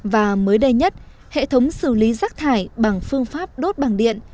và mới đây nhất hệ thống xử lý rác thải bằng phương pháp đốt bằng điện